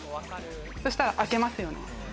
そしたら開けますよね。